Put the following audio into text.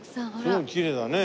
すごいきれいですよね。